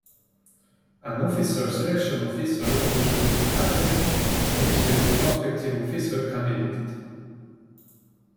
An Officer Selection Officer, usually a Captain, meets with a prospective Officer Candidate.